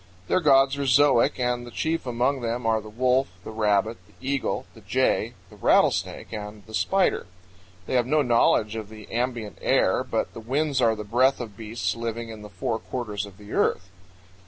Their gods are zoic, and the chief among them are the wolf, the rabbit, the eagle, the jay, the rattlesnake, and the spider. They have no knowledge of the ambient air, but the winds are the breath of beasts living in the four quarters of the earth.